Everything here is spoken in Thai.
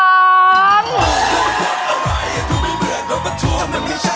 ดีเจอออม